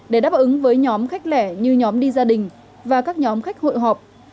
để đáp ứng với nhóm khách lẻ như nhóm đi gia đình và các nhóm khách hội họp